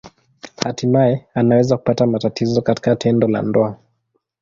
Hatimaye anaweza kupata matatizo katika tendo la ndoa.